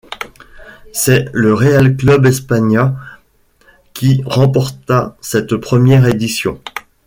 C'est le Real Club España qui remporta cette première édition.